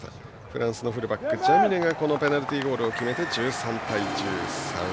フランスのフルバック、ジャミネペナルティーゴールを決めて１３対１３。